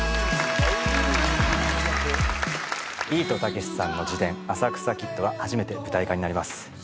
ビートたけしさんの自伝「浅草キッド」が初めて舞台化になります